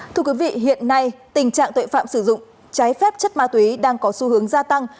thưa quý vị hiện nay tình trạng tội phạm sử dụng trái phép chất ma túy đang có xu hướng gia tăng